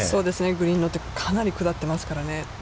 グリーンがかなり下ってますからね。